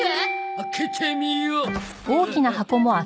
開けてみよう。